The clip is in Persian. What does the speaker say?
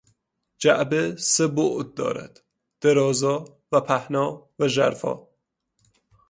جعبه سه بعد دارد: درازا و پهنا و ژرفا